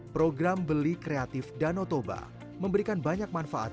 program beli kreatif dan otoba memberikan banyak manfaat